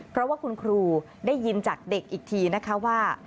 เพราะว่าคุณครูได้ยินจากเด็กอีกทีนะคะว่า